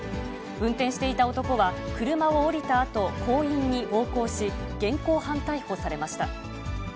運転していた男は、車を降りたあと、行員に暴行し、現行犯逮捕されました。